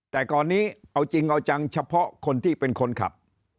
แต่ก่อนนี้เอาจริงเอาจังเฉพาะคนที่เป็นคนขับ